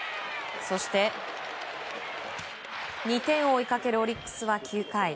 ２点を追いかけるオリックスは９回。